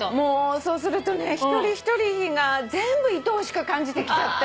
そうするとね一人一人が全部いとおしく感じてきちゃって。